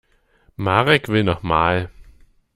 Marek will noch mal.